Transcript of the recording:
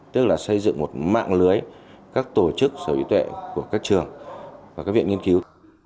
tức là xây dựng một mạng lưới các tổ chức sở hữu tuệ của các trường và các viện nghiên cứu